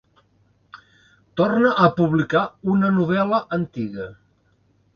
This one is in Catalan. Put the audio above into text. Torna a publicar una novel·la antiga.